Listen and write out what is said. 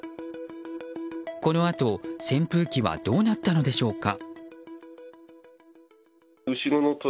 このあと、扇風機はどうなったのでしょうか。